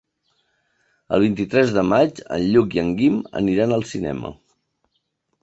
El vint-i-tres de maig en Lluc i en Guim aniran al cinema.